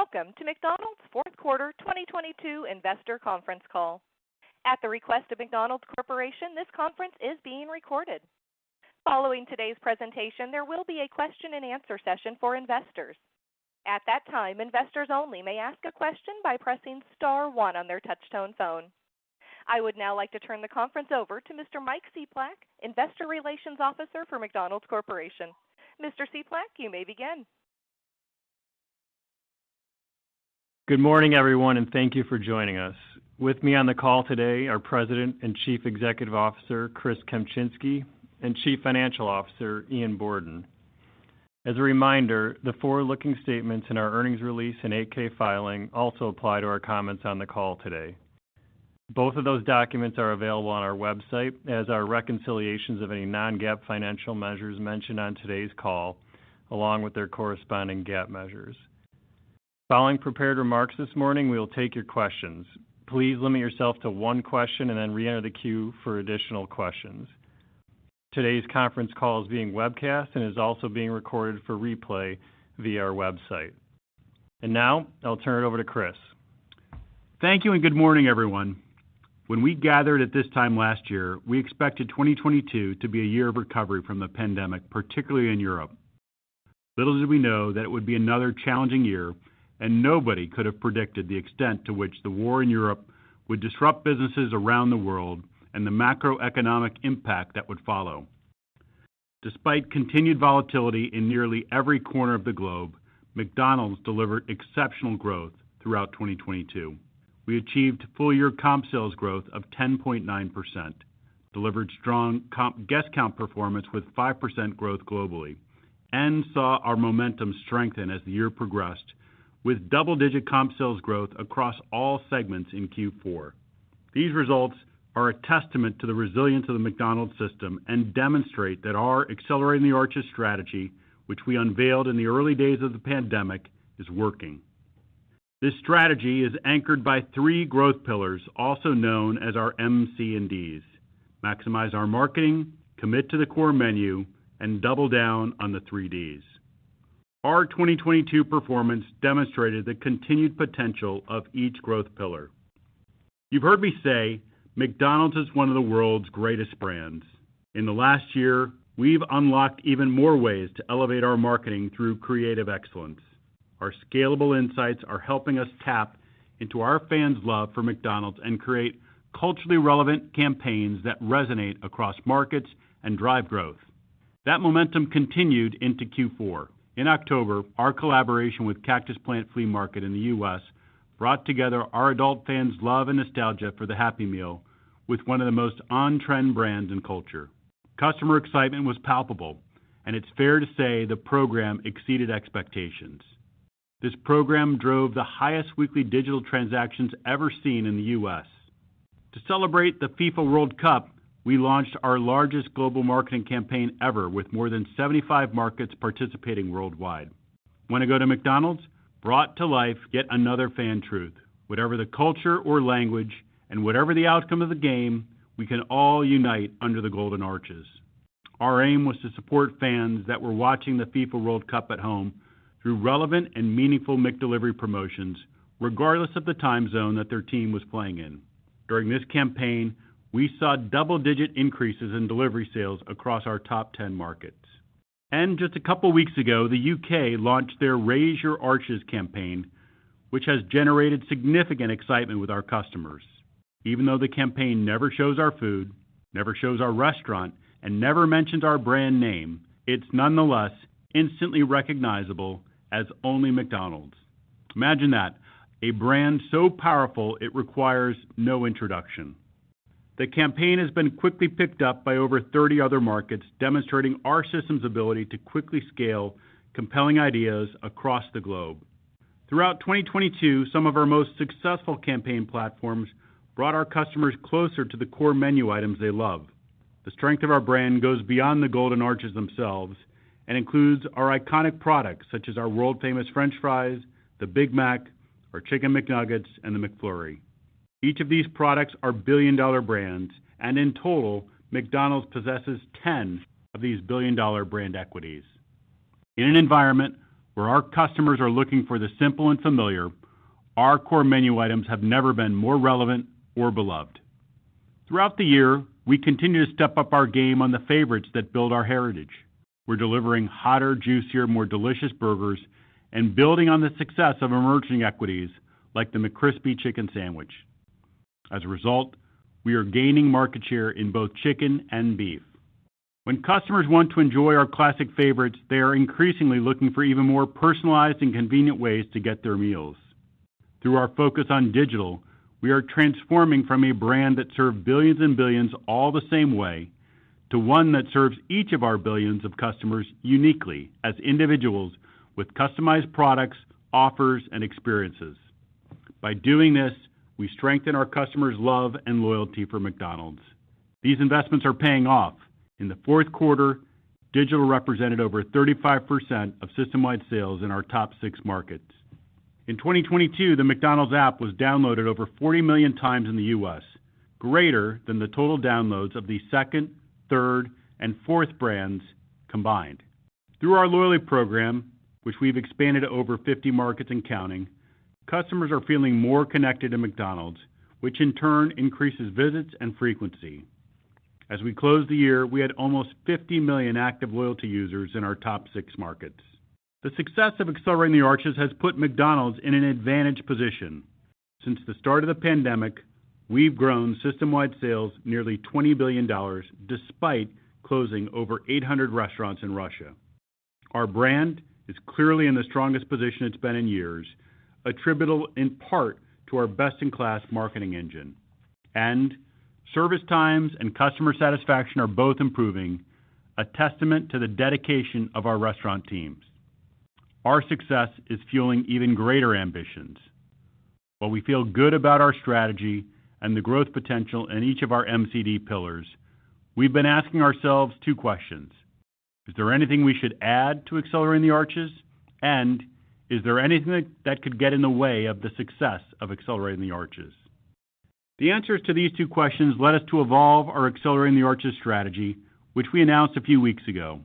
Hello, welcome to McDonald's Fourth Quarter 2022 Investor Conference Call. At the request of McDonald's Corporation, this conference is being recorded. Following today's presentation, there will be a question-and-answer session for investors. At that time, investors only may ask a question by pressing star one on their touchtone phone. I would now like to turn the conference over to Mr. Mike Cieplak, Investor Relations Officer for McDonald's Corporation. Mr. Cieplak, you may begin. Good morning, everyone, and thank you for joining us. With me on the call today, our President and Chief Executive Officer, Chris Kempczinski, and Chief Financial Officer, Ian Borden. As a reminder, the forward-looking statements in our earnings release and 8-K filing also apply to our comments on the call today. Both of those documents are available on our website as are reconciliations of any non-GAAP financial measures mentioned on today's call, along with their corresponding GAAP measures. Following prepared remarks this morning, we will take your questions. Please limit yourself to 1 question and then reenter the queue for additional questions. Today's conference call is being webcast and is also being recorded for replay via our website. Now, I'll turn it over to Chris. Thank you. Good morning, everyone. When we gathered at this time last year, we expected 2022 to be a year of recovery from the pandemic, particularly in Europe. Little did we know that it would be another challenging year, and nobody could have predicted the extent to which the war in Europe would disrupt businesses around the world and the macroeconomic impact that would follow. Despite continued volatility in nearly every corner of the globe, McDonald's delivered exceptional growth throughout 2022. We achieved full year comp sales growth of 10.9%, delivered strong comp guest count performance with 5% growth globally, and saw our momentum strengthen as the year progressed with double-digit comp sales growth across all segments in Q4. These results are a testament to the resilience of the McDonald's system and demonstrate that our Accelerating the Arches strategy, which we unveiled in the early days of the pandemic, is working. This strategy is anchored by three growth pillars, also known as our MCD. Maximize our marketing, commit to the core menu, and double down on the 3 Ds. Our 2022 performance demonstrated the continued potential of each growth pillar. You've heard me say McDonald's is one of the world's greatest brands. In the last year, we've unlocked even more ways to elevate our marketing through creative excellence. Our scalable insights are helping us tap into our fans' love for McDonald's and create culturally relevant campaigns that resonate across markets and drive growth. That momentum continued into Q4. In October, our collaboration with Cactus Plant Flea Market in the U.S. brought together our adult fans' love and nostalgia for the Happy Meal with one of the most on-trend brands in culture. Customer excitement was palpable. It's fair to say the program exceeded expectations. This program drove the highest weekly digital transactions ever seen in the U.S. To celebrate the FIFA World Cup, we launched our largest global marketing campaign ever with more than 75 markets participating worldwide. Wanna go to McDonald's? brought to life yet another fan truth. Whatever the culture or language, whatever the outcome of the game, we can all unite under the Golden Arches. Our aim was to support fans that were watching the FIFA World Cup at home through relevant and meaningful McDelivery promotions, regardless of the time zone that their team was playing in. During this campaign, we saw double-digit increases in delivery sales across our top 10 markets. Just a couple weeks ago, the U.K. launched their Raise Your Arches campaign, which has generated significant excitement with our customers. Even though the campaign never shows our food, never shows our restaurant, and never mentions our brand name, it's nonetheless instantly recognizable as only McDonald's. Imagine that, a brand so powerful it requires no introduction. The campaign has been quickly picked up by over 30 other markets, demonstrating our system's ability to quickly scale compelling ideas across the globe. Throughout 2022, some of our most successful campaign platforms brought our customers closer to the core menu items they love. The strength of our brand goes beyond the Golden Arches themselves and includes our iconic products such as our world-famous french fries, the Big Mac, our Chicken McNuggets, and the McFlurry. Each of these products are billion-dollar brands, and in total, McDonald's possesses 10 of these billion-dollar brand equities. In an environment where our customers are looking for the simple and familiar, our core menu items have never been more relevant or beloved. Throughout the year, we continue to step up our game on the favorites that build our heritage. We're delivering hotter, juicier, more delicious burgers and building on the success of emerging equities like the McCrispy chicken sandwich. As a result, we are gaining market share in both chicken and beef. When customers want to enjoy our classic favorites, they are increasingly looking for even more personalized and convenient ways to get their meals. Through our focus on digital, we are transforming from a brand that served billions and billions all the same way to one that serves each of our billions of customers uniquely as individuals with customized products, offers, and experiences. By doing this, we strengthen our customers' love and loyalty for McDonald's. These investments are paying off. In the fourth quarter, digital represented over 35% of system-wide sales in our top six markets. In 2022, the McDonald's app was downloaded over 40 million times in the U.S., greater than the total downloads of the second, third, and fourth brands combined. Through our loyalty program, which we've expanded to over 50 markets and counting, customers are feeling more connected to McDonald's, which in turn increases visits and frequency. As we closed the year, we had almost 50 million active loyalty users in our top six markets. The success of Accelerating the Arches has put McDonald's in an advantage position. Since the start of the pandemic, we've grown system-wide sales nearly $20 billion despite closing over 800 restaurants in Russia. Our brand is clearly in the strongest position it's been in years, attributable in part to our best-in-class marketing engine. Service times and customer satisfaction are both improving, a testament to the dedication of our restaurant teams. Our success is fueling even greater ambitions. While we feel good about our strategy and the growth potential in each of our MCD pillars, we've been asking ourselves 2 questions: Is there anything we should add to Accelerating the Arches? Is there anything that could get in the way of the success of Accelerating the Arches? The answers to these two questions led us to evolve our Accelerating the Arches strategy, which we announced a few weeks ago.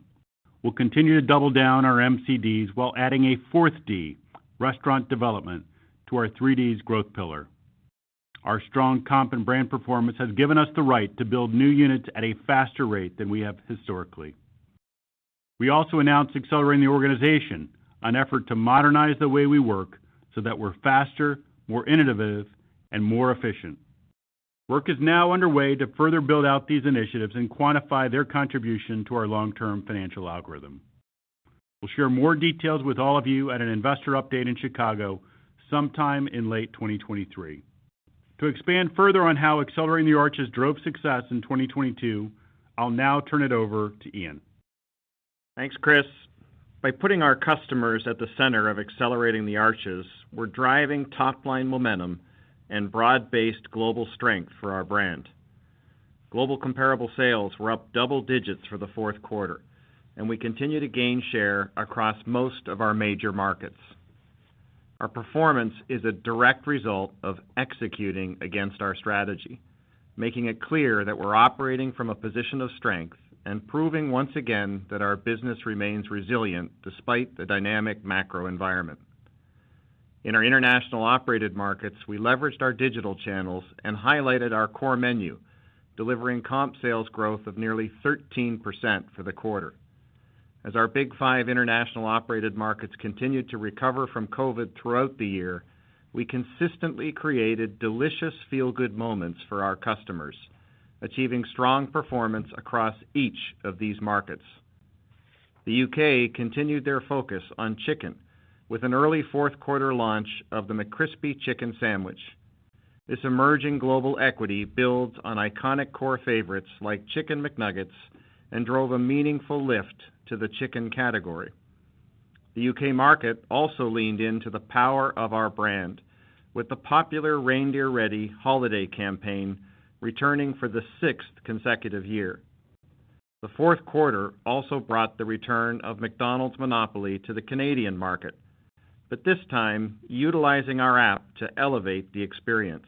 We'll continue to double down our MCD while adding a fourth D, restaurant development, to our three Ds growth pillar. Our strong comp and brand performance has given us the right to build new units at a faster rate than we have historically. We also announced Accelerating the Organization, an effort to modernize the way we work so that we're faster, more innovative, and more efficient. Work is now underway to further build out these initiatives and quantify their contribution to our long-term financial algorithm. We'll share more details with all of you at an investor update in Chicago sometime in late 2023. To expand further on how Accelerating the Arches drove success in 2022, I'll now turn it over to Ian. Thanks, Chris. By putting our customers at the center of Accelerating the Arches, we're driving top-line momentum and broad-based global strength for our brand. Global comparable sales were up double digits for the fourth quarter, and we continue to gain share across most of our major markets. Our performance is a direct result of executing against our strategy, making it clear that we're operating from a position of strength and proving once again that our business remains resilient despite the dynamic macro environment. In our international operated markets, we leveraged our digital channels and highlighted our core menu, delivering comp sales growth of nearly 13% for the quarter. As our big five international operated markets continued to recover from COVID throughout the year, we consistently created delicious feel-good moments for our customers, achieving strong performance across each of these markets. The U.K. continued their focus on chicken with an early fourth quarter launch of the McCrispy chicken sandwich. This emerging global equity builds on iconic core favorites like Chicken McNuggets and drove a meaningful lift to the chicken category. The U.K. market also leaned into the power of our brand with the popular Reindeer Ready holiday campaign returning for the sixth consecutive year. The fourth quarter also brought the return of McDonald's Monopoly to the Canadian market, but this time utilizing our app to elevate the experience.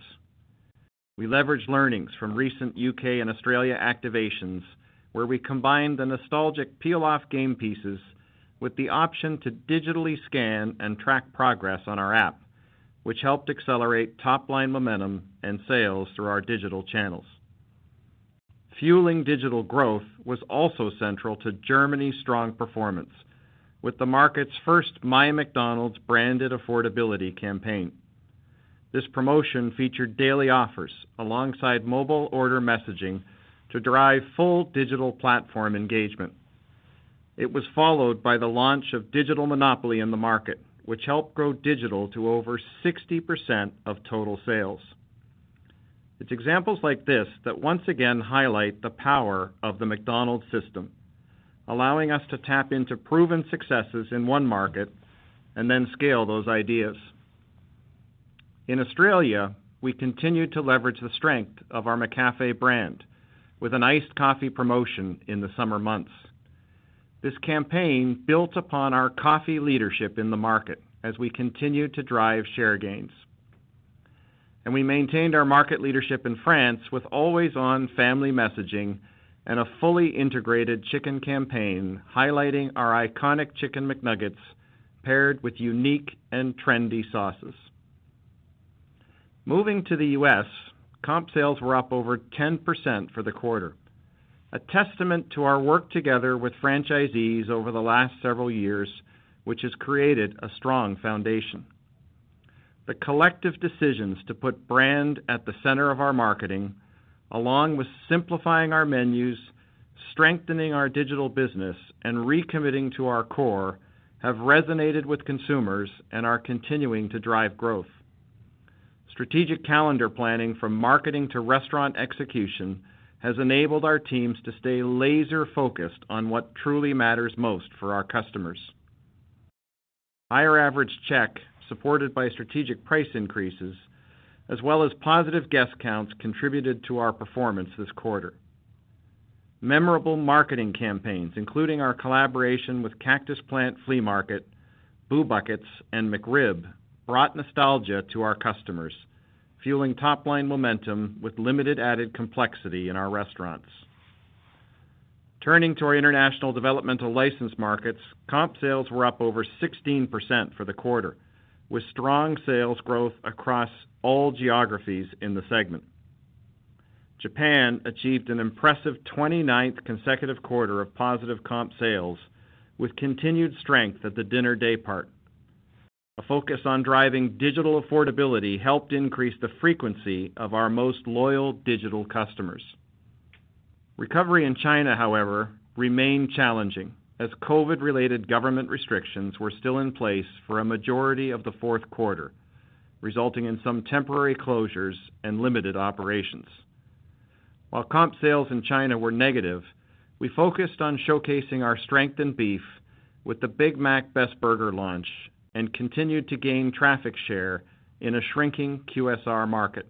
We leveraged learnings from recent U.K. and Australia activations, where we combined the nostalgic peel-off game pieces with the option to digitally scan and track progress on our app, which helped accelerate top-line momentum and sales through our digital channels. Fueling digital growth was also central to Germany's strong performance with the market's first MyMcDonald's branded affordability campaign. This promotion featured daily offers alongside mobile order messaging to drive full digital platform engagement. It was followed by the launch of Digital Monopoly in the market, which helped grow digital to over 60% of total sales. It's examples like this that once again highlight the power of the McDonald's system, allowing us to tap into proven successes in one market and then scale those ideas. In Australia, we continued to leverage the strength of our McCafé brand with an iced coffee promotion in the summer months. This campaign built upon our coffee leadership in the market as we continued to drive share gains. We maintained our market leadership in France with always-on family messaging and a fully integrated chicken campaign highlighting our iconic Chicken McNuggets paired with unique and trendy sauces. Moving to the U.S., comp sales were up over 10% for the quarter, a testament to our work together with franchisees over the last several years, which has created a strong foundation. The collective decisions to put brand at the center of our marketing, along with simplifying our menus, strengthening our digital business, and recommitting to our core, have resonated with consumers and are continuing to drive growth. Strategic calendar planning from marketing to restaurant execution has enabled our teams to stay laser focused on what truly matters most for our customers. Higher average check, supported by strategic price increases, as well as positive guest counts, contributed to our performance this quarter. Memorable marketing campaigns, including our collaboration with Cactus Plant Flea Market, Boo Buckets, and McRib, brought nostalgia to our customers, fueling top-line momentum with limited added complexity in our restaurants. Turning to our international developmental license markets, comp sales were up over 16% for the quarter, with strong sales growth across all geographies in the segment. Japan achieved an impressive 29th consecutive quarter of positive comp sales with continued strength at the dinner day part. A focus on driving digital affordability helped increase the frequency of our most loyal digital customers. Recovery in China, however, remained challenging as COVID-related government restrictions were still in place for a majority of the fourth quarter, resulting in some temporary closures and limited operations. While comp sales in China were negative, we focused on showcasing our strength in beef with the Big Mac Best Burger launch and continued to gain traffic share in a shrinking QSR market.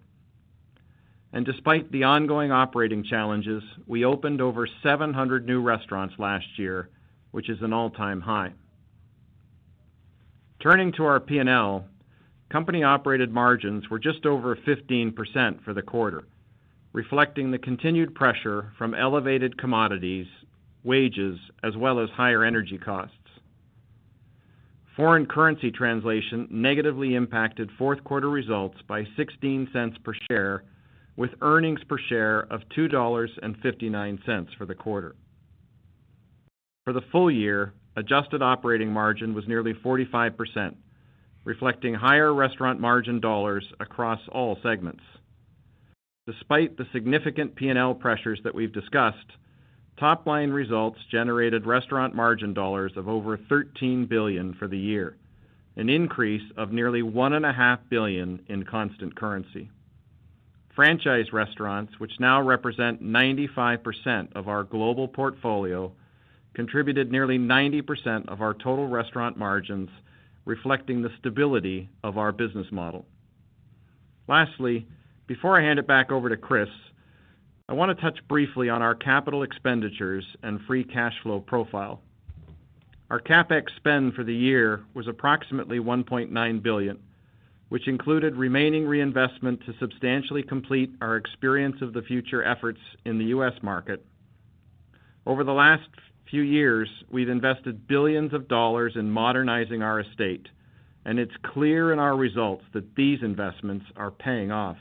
Despite the ongoing operating challenges, we opened over 700 new restaurants last year, which is an all-time high. Turning to our P&L, company-operated margins were just over 15% for the quarter, reflecting the continued pressure from elevated commodities, wages, as well as higher energy costs. Foreign currency translation negatively impacted fourth quarter results by $0.16 per share, with earnings per share of $2.59 for the quarter. For the full year, adjusted operating margin was nearly 45%, reflecting higher restaurant margin dollars across all segments. Despite the significant P&L pressures that we've discussed, top-line results generated restaurant margin dollars of over $13 billion for the year, an increase of nearly $1.5 billion in constant currency. Franchise restaurants, which now represent 95% of our global portfolio, contributed nearly 90% of our total restaurant margins, reflecting the stability of our business model. Lastly, before I hand it back over to Chris, I want to touch briefly on our capital expenditures and free cash flow profile. Our CapEx spend for the year was approximately $1.9 billion, which included remaining reinvestment to substantially complete our Experience of the Future efforts in the U.S. market. Over the last few years, we've invested $ billions in modernizing our estate, and it's clear in our results that these investments are paying off.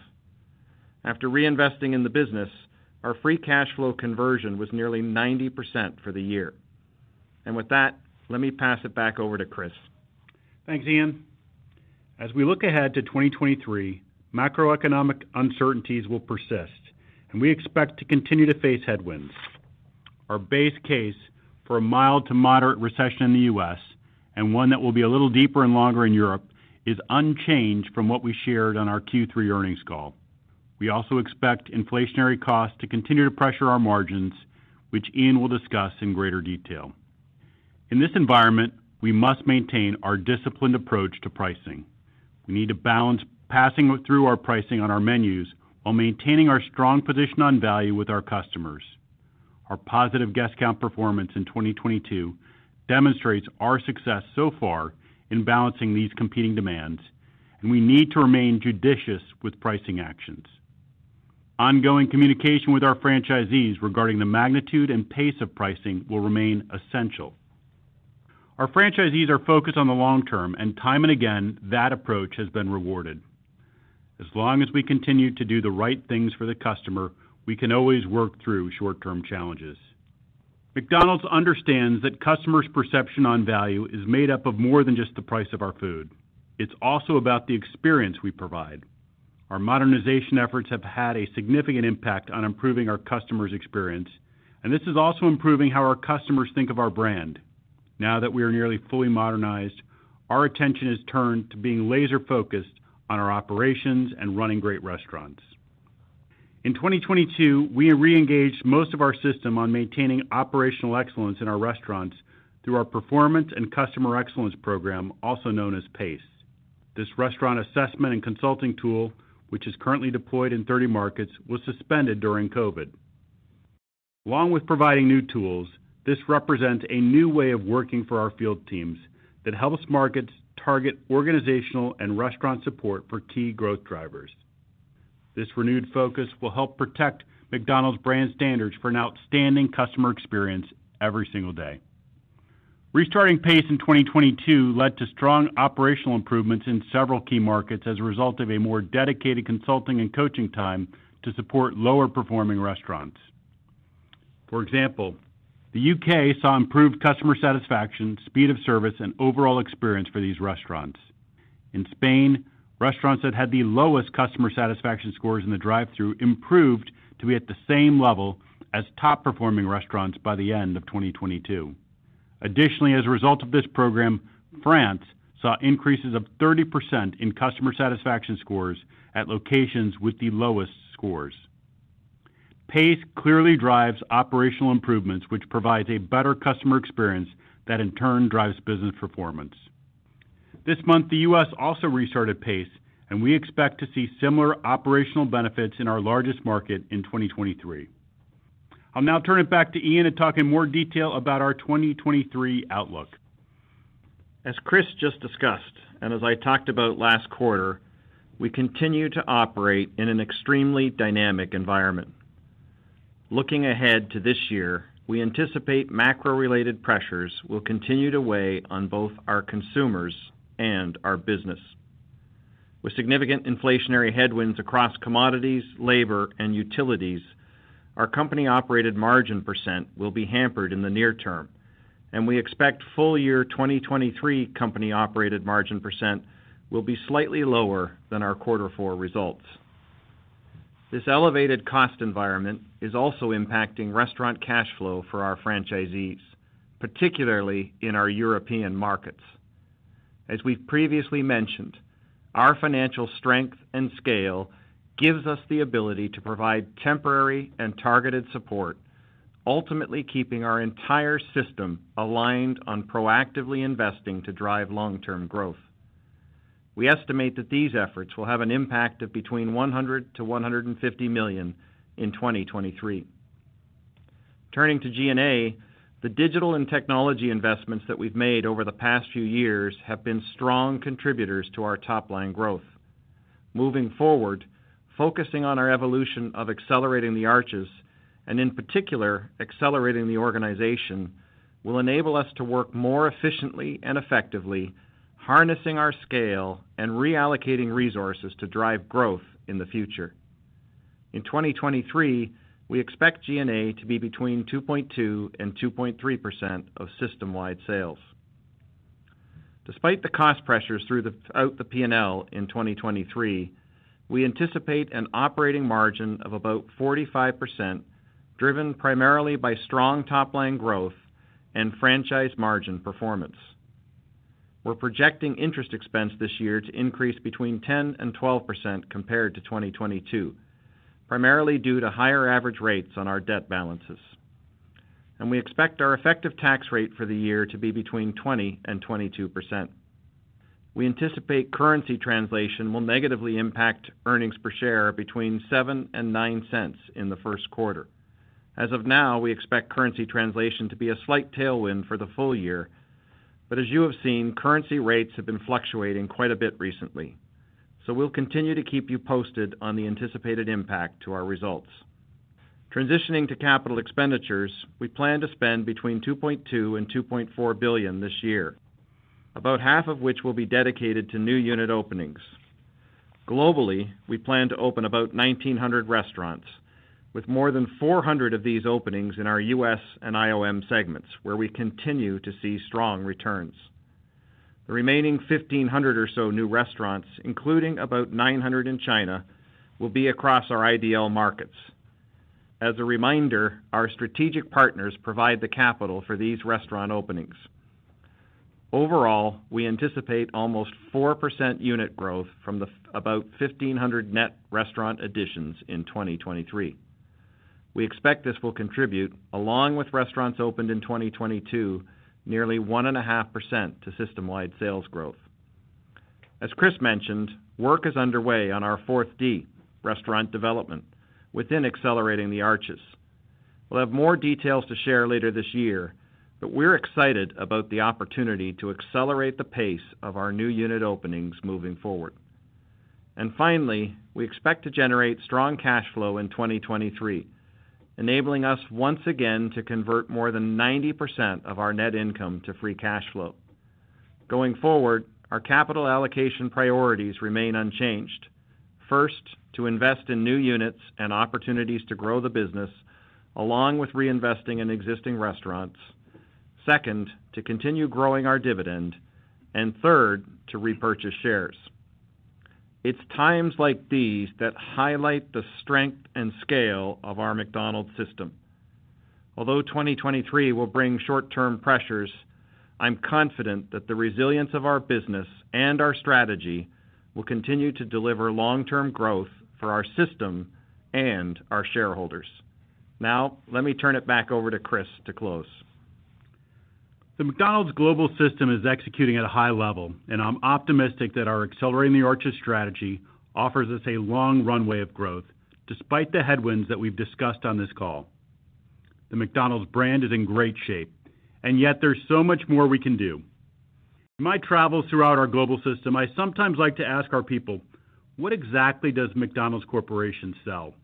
After reinvesting in the business, our free cash flow conversion was nearly 90% for the year. With that, let me pass it back over to Chris. Thanks, Ian. As we look ahead to 2023, macroeconomic uncertainties will persist, and we expect to continue to face headwinds. Our base case for a mild to moderate recession in the U.S. and one that will be a little deeper and longer in Europe is unchanged from what we shared on our Q3 earnings call. We also expect inflationary costs to continue to pressure our margins, which Ian will discuss in greater detail. In this environment, we must maintain our disciplined approach to pricing. We need to balance passing through our pricing on our menus while maintaining our strong position on value with our customers. Our positive guest count performance in 2022 demonstrates our success so far in balancing these competing demands, and we need to remain judicious with pricing actions. Ongoing communication with our franchisees regarding the magnitude and pace of pricing will remain essential. Our franchisees are focused on the long term, and time and again, that approach has been rewarded. As long as we continue to do the right things for the customer, we can always work through short-term challenges. McDonald's understands that customers' perception on value is made up of more than just the price of our food. It's also about the experience we provide. Our modernization efforts have had a significant impact on improving our customers' experience, and this is also improving how our customers think of our brand. Now that we are nearly fully modernized, our attention is turned to being laser-focused on our operations and running great restaurants. In 2022, we reengaged most of our system on maintaining operational excellence in our restaurants through our Performance and Customer Excellence program, also known as PACE. This restaurant assessment and consulting tool, which is currently deployed in 30 markets, was suspended during COVID. Along with providing new tools, this represents a new way of working for our field teams that helps markets target organizational and restaurant support for key growth drivers. This renewed focus will help protect McDonald's brand standards for an outstanding customer experience every single day. Restarting PACE in 2022 led to strong operational improvements in several key markets as a result of a more dedicated consulting and coaching time to support lower performing restaurants. For example, the U.K. saw improved customer satisfaction, speed of service, and overall experience for these restaurants. In Spain, restaurants that had the lowest customer satisfaction scores in the drive-thru improved to be at the same level as top performing restaurants by the end of 2022. Additionally, as a result of this program, France saw increases of 30% in customer satisfaction scores at locations with the lowest scores. PACE clearly drives operational improvements, which provides a better customer experience that in turn drives business performance. This month, the U.S. also restarted PACE, and we expect to see similar operational benefits in our largest market in 2023. I'll now turn it back to Ian to talk in more detail about our 2023 outlook. As Chris just discussed, as I talked about last quarter, we continue to operate in an extremely dynamic environment. Looking ahead to this year, we anticipate macro-related pressures will continue to weigh on both our consumers and our business. With significant inflationary headwinds across commodities, labor, and utilities, our company-operated margin % will be hampered in the near term, we expect full year 2023 company-operated margin % will be slightly lower than our Q4 results. This elevated cost environment is also impacting restaurant cash flow for our franchisees, particularly in our European markets. As we've previously mentioned, our financial strength and scale gives us the ability to provide temporary and targeted support, ultimately keeping our entire system aligned on proactively investing to drive long-term growth. We estimate that these efforts will have an impact of between $100 million-$150 million in 2023. Turning to G&A, the digital and technology investments that we've made over the past few years have been strong contributors to our top line growth. Moving forward, focusing on our evolution of Accelerating the Arches and, in particular, Accelerating the Organization will enable us to work more efficiently and effectively, harnessing our scale and reallocating resources to drive growth in the future. In 2023, we expect G&A to be between 2.2% and 2.3% of system-wide sales. Despite the cost pressures throughout the P&L in 2023, we anticipate an operating margin of about 45%, driven primarily by strong top line growth and franchise margin performance. We're projecting interest expense this year to increase between 10% and 12% compared to 2022, primarily due to higher average rates on our debt balances. We expect our effective tax rate for the year to be between 20% and 22%. We anticipate currency translation will negatively impact earnings per share between $0.07 and $0.09 in the first quarter. As of now, we expect currency translation to be a slight tailwind for the full year. As you have seen, currency rates have been fluctuating quite a bit recently. We'll continue to keep you posted on the anticipated impact to our results. Transitioning to capital expenditures, we plan to spend between $2.2 billion and $2.4 billion this year, about half of which will be dedicated to new unit openings. Globally, we plan to open about 1,900 restaurants, with more than 400 of these openings in our U.S. and IOM segments, where we continue to see strong returns. The remaining 1,500 or so new restaurants, including about 900 in China, will be across our IDL markets. As a reminder, our strategic partners provide the capital for these restaurant openings. Overall, we anticipate almost 4% unit growth from the about 1,500 net restaurant additions in 2023. We expect this will contribute, along with restaurants opened in 2022, nearly 1.5% to system-wide sales growth. As Chris mentioned, work is underway on our fourth D, restaurant development, within Accelerating the Arches. We'll have more details to share later this year. We're excited about the opportunity to accelerate the pace of our new unit openings moving forward. Finally, we expect to generate strong cash flow in 2023, enabling us once again to convert more than 90% of our net income to free cash flow. Going forward, our capital allocation priorities remain unchanged. First, to invest in new units and opportunities to grow the business, along with reinvesting in existing restaurants. Second, to continue growing our dividend. Third, to repurchase shares. It's times like these that highlight the strength and scale of our McDonald's system. Although 2023 will bring short-term pressures, I'm confident that the resilience of our business and our strategy will continue to deliver long-term growth for our system and our shareholders. Let me turn it back over to Chris to close. The McDonald's global system is executing at a high level, and I'm optimistic that our Accelerating the Arches strategy offers us a long runway of growth, despite the headwinds that we've discussed on this call. The McDonald's brand is in great shape, and yet there's so much more we can do. In my travels throughout our global system, I sometimes like to ask our people, "What exactly does McDonald's Corporation sell?"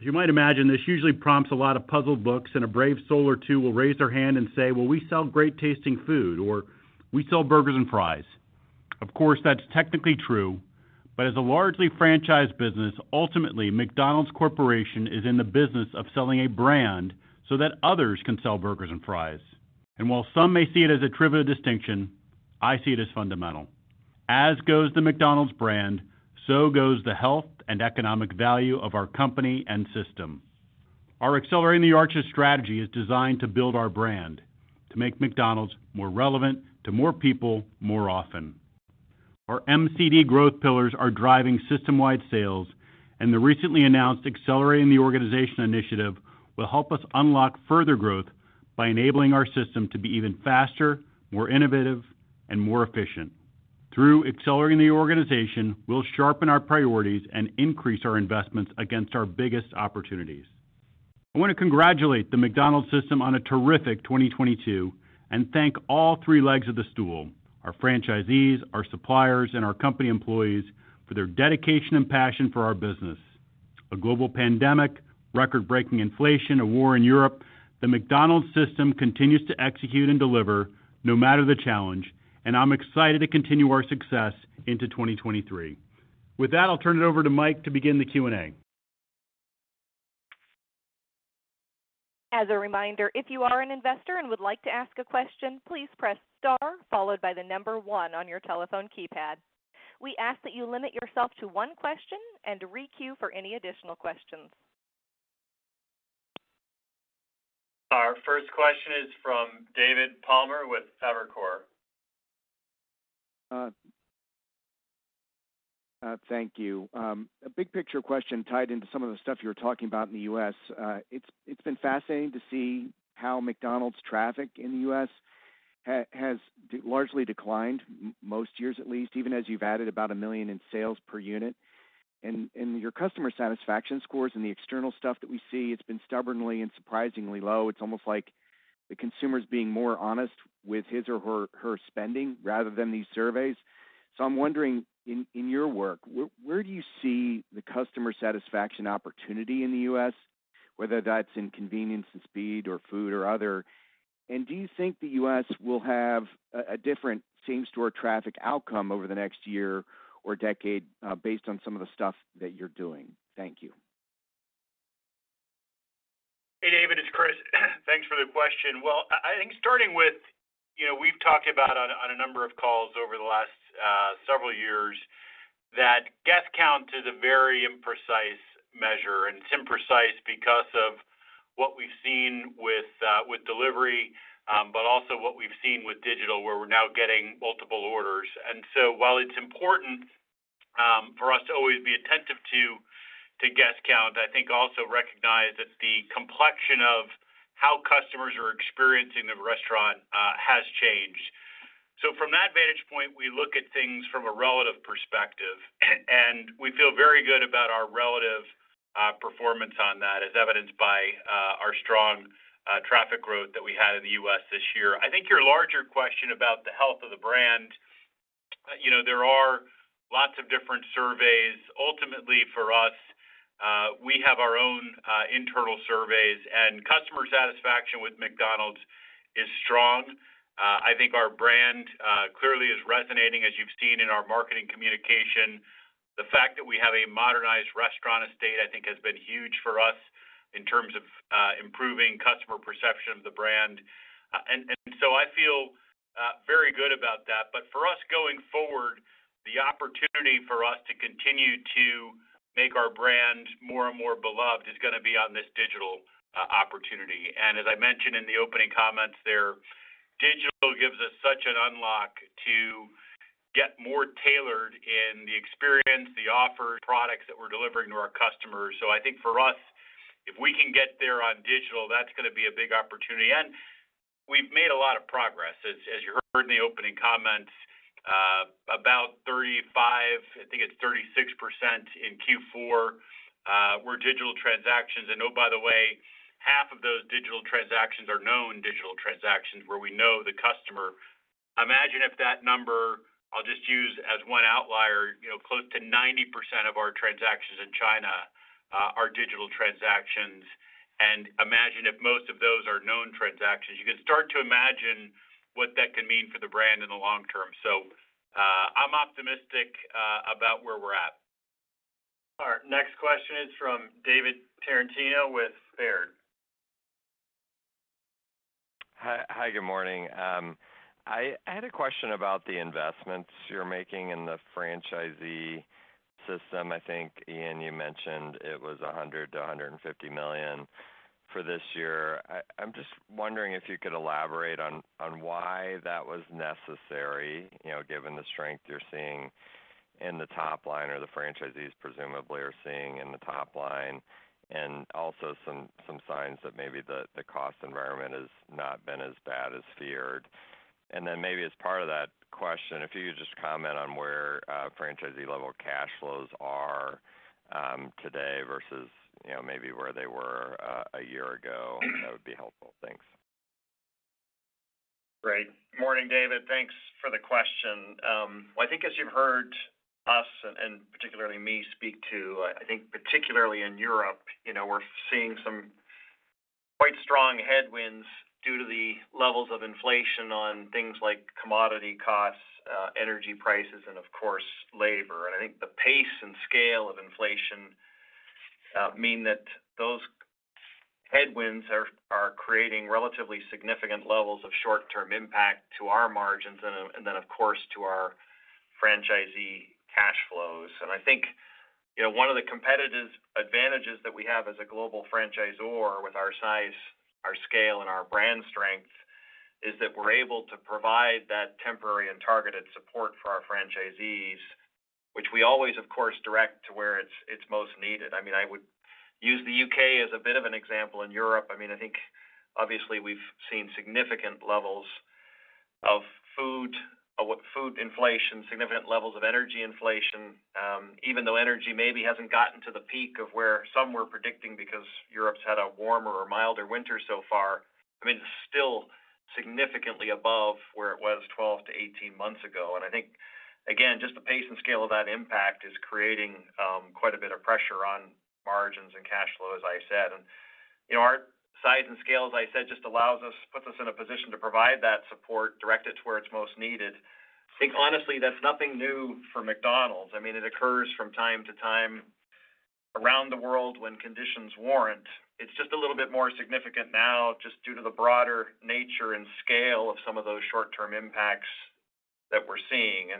As you might imagine, this usually prompts a lot of puzzled looks, and a brave soul or two will raise their hand and say, "Well, we sell great-tasting food," or, "We sell burgers and fries." Of course, that's technically true, but as a largely franchised business, ultimately, McDonald's Corporation is in the business of selling a brand so that others can sell burgers and fries. While some may see it as a trivial distinction, I see it as fundamental. As goes the McDonald's brand, so goes the health and economic value of our company and system. Our Accelerating the Arches strategy is designed to build our brand, to make McDonald's more relevant to more people more often. Our MCD growth pillars are driving system-wide sales, and the recently announced Accelerating the Organization initiative will help us unlock further growth by enabling our system to be even faster, more innovative, and more efficient. Through Accelerating the Organization, we'll sharpen our priorities and increase our investments against our biggest opportunities. I wanna congratulate the McDonald's system on a terrific 2022, and thank all 3 legs of the stool, our franchisees, our suppliers, and our company employees for their dedication and passion for our business. A global pandemic, record-breaking inflation, a war in Europe, the McDonald's system continues to execute and deliver no matter the challenge, and I'm excited to continue our success into 2023. With that, I'll turn it over to Mike to begin the Q&A. As a reminder, if you are an investor and would like to ask a question, please press Star followed by one on your telephone keypad. We ask that you limit yourself to 1 question and re-queue for any additional questions. Our first question is from David Palmer with Evercore. Thank you. A big picture question tied into some of the stuff you're talking about in the U.S. It's been fascinating to see how McDonald's traffic in the U.S. has largely declined most years, at least, even as you've added about $1 million in sales per unit. Your customer satisfaction scores and the external stuff that we see, it's been stubbornly and surprisingly low. It's almost like the consumer's being more honest with his or her spending rather than these surveys. I'm wondering, in your work, where do you see the customer satisfaction opportunity in the U.S., whether that's in convenience and speed or food or other? Do you think the U.S. will have a different same-store traffic outcome over the next year or decade based on some of the stuff that you're doing? Thank you. Hey, David, it's Chris. Thanks for the question. I think starting with, you know, we've talked about on a number of calls over the last several years that guest count is a very imprecise measure, and it's imprecise because of what we've seen with delivery, but also what we've seen with digital, where we're now getting multiple orders. While it's important for us to always be attentive to guest count, I think also recognize that the complexion of how customers are experiencing the restaurant has changed. From that vantage point, we look at things from a relative perspective, and we feel very good about our relative performance on that, as evidenced by our strong traffic growth that we had in the U.S. this year. I think your larger question about the health of the brand, you know, there are lots of different surveys. Ultimately, for us, we have our own internal surveys, customer satisfaction with McDonald's is strong. I think our brand clearly is resonating as you've seen in our marketing communication. The fact that we have a modernized restaurant estate, I think has been huge for us in terms of improving customer perception of the brand. I feel very good about that. For us going forward, the opportunity for us to continue to make our brand more and more beloved is gonna be on this digital opportunity. As I mentioned in the opening comments there, digital gives us such an unlock to get more tailored in the experience, the offer, products that we're delivering to our customers. I think for us, if we can get there on digital, that's gonna be a big opportunity. We've made a lot of progress. As you heard in the opening comments, about 35, I think it's 36% in Q4, were digital transactions. Oh, by the way, half of those digital transactions are known digital transactions where we know the customer. Imagine if that number, I'll just use as one outlier, you know, close to 90% of our transactions in China, are digital transactions, and imagine if most of those are known transactions. You can start to imagine what that can mean for the brand in the long term. I'm optimistic about where we're at. Our next question is from David Tarantino with Baird. Hi, good morning. I had a question about the investments you're making in the franchisee system. I think, Ian, you mentioned it was $100 million-$150 million for this year. I'm just wondering if you could elaborate on why that was necessary, you know, given the strength you're seeing in the top line or the franchisees presumably are seeing in the top line, and also some signs that maybe the cost environment has not been as bad as feared. Maybe as part of that question, if you could just comment on where franchisee level cash flows are today versus, you know, maybe where they were a year ago, that would be helpful. Thanks. Great. Morning, David. Thanks for the question. Well, I think as you've heard us and particularly me speak to, I think particularly in Europe, you know, we're seeing some quite strong headwinds due to the levels of inflation on things like commodity costs, energy prices, and of course, labor. I think the pace and scale of inflation mean that those headwinds are creating relatively significant levels of short-term impact to our margins and then, of course, to our franchisees I think, you know, one of the competitive advantages that we have as a global franchisor with our size, our scale, and our brand strength is that we're able to provide that temporary and targeted support for our franchisees, which we always, of course, direct to where it's most needed. I mean, I would use the U.K. as a bit of an example. In Europe, I mean, I think obviously we've seen significant levels of food, of food inflation, significant levels of energy inflation. Even though energy maybe hasn't gotten to the peak of where some were predicting because Europe's had a warmer or milder winter so far. I mean, it's still significantly above where it was 12 to 18 months ago. I think, again, just the pace and scale of that impact is creating quite a bit of pressure on margins and cash flow, as I said. You know, our size and scale, as I said, just allows us, puts us in a position to provide that support, direct it to where it's most needed. I think, honestly, that's nothing new for McDonald's. I mean, it occurs from time to time around the world when conditions warrant. It's just a little bit more significant now just due to the broader nature and scale of some of those short-term impacts that we're seeing.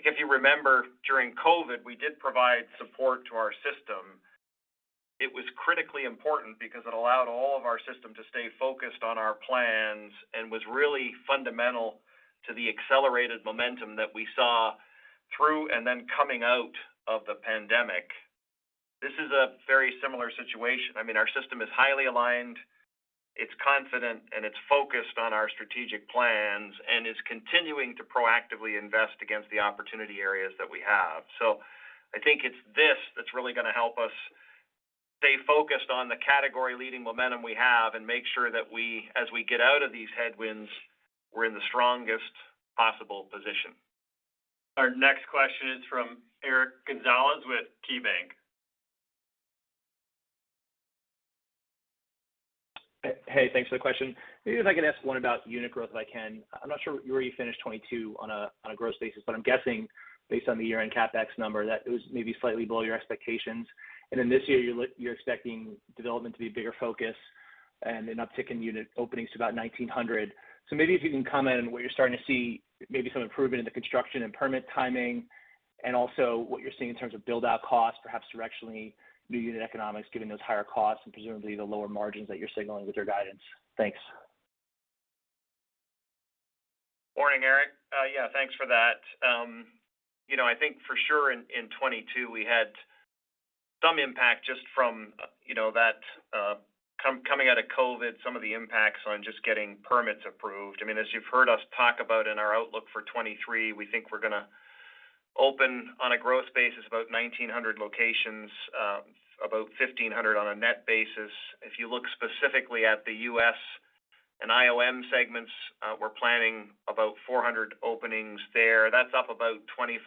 I think if you remember during COVID, we did provide support to our system. It was critically important because it allowed all of our system to stay focused on our plans and was really fundamental to the accelerated momentum that we saw through and then coming out of the pandemic. This is a very similar situation. I mean, our system is highly aligned, it's confident, and it's focused on our strategic plans, and is continuing to proactively invest against the opportunity areas that we have. I think it's this that's really gonna help us stay focused on the category leading momentum we have and make sure that we, as we get out of these headwinds, we're in the strongest possible position. Our next question is from Eric Gonzalez with KeyBanc. Hey, thanks for the question. Maybe if I can ask one about unit growth, if I can. I'm not sure where you finished 2022 on a growth basis, but I'm guessing based on the year-end CapEx number, that it was maybe slightly below your expectations. This year you're expecting development to be a bigger focus and an uptick in unit openings to about 1,900. Maybe if you can comment on where you're starting to see maybe some improvement in the construction and permit timing. Also what you're seeing in terms of build-out costs, perhaps directionally new unit economics, given those higher costs and presumably the lower margins that you're signaling with your guidance. Thanks. Morning, Eric. Yeah, thanks for that. You know, I think for sure in 2022 we had some impact just from, you know, that coming out of COVID, some of the impacts on just getting permits approved. I mean, as you've heard us talk about in our outlook for 2023, we think we're gonna open on a growth basis about 1,900 locations, about 1,500 on a net basis. If you look specifically at the U.S. and IOM segments, we're planning about 400 openings there. That's up about 25%